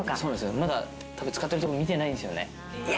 まだ使ってるとこ見てないんすよね。